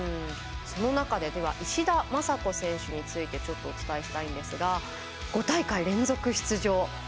その中で石田正子選手についてお伝えしたいんですが５大会連続出場。